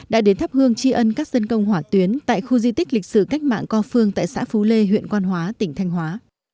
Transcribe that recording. đã đến thắp hương tri ân các dân công hỏa tuyến tại khu di tích lịch sử cách mạng co phương tại xã phú lê huyện quan hóa tỉnh thanh hóa